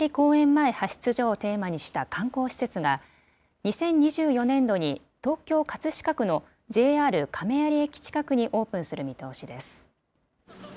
前派出所をテーマにした観光施設が、２０２４年度に、東京・葛飾区のＪＲ亀有駅近くにオープンする見通しです。